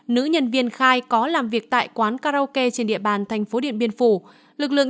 nữ nhân viên khai có làm việc tại quán karaoke trên địa bàn thành phố điện biên phủ lực lượng